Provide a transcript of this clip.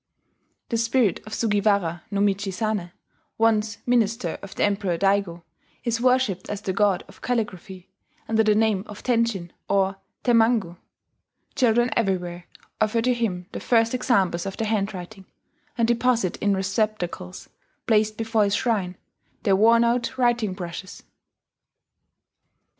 The spirit of Sugiwara no Michizane, once minister to the Emperor Daigo, is worshipped as the god of calligraphy, under the name of Tenjin, or Temmangu: children everywhere offer to him the first examples of their handwriting, and deposit in receptacles, placed before his shrine, their worn out writing brushes.